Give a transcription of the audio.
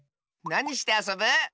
なにしてあそぶ？